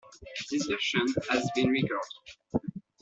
This version has been recorded.